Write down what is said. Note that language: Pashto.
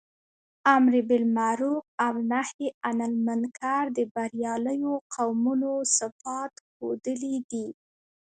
امر باالمعروف او نهي عنالمنکر د برياليو قومونو صفات ښودلي دي.